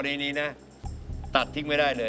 ในนี้นะตัดทิ้งไม่ได้